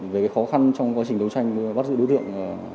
về cái khó khăn trong quá trình đấu tranh bắt giữ đối tượng